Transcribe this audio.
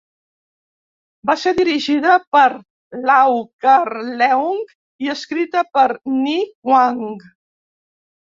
Va ser dirigida per Lau Kar-Leung i escrita per Ni Kuang.